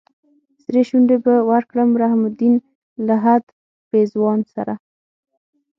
سرې شونډې به ورکړم رحم الدين لهد پېزوان سره